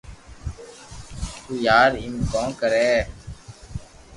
تو يار ايم ڪون ڪري